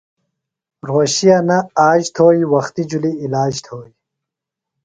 رھوشِیہ نہ نِس آج تھوئیۡ، وختیۡ جُھلیۡ عِلاج تھوئیۡ